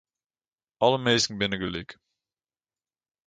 Alle minsken binne gelyk.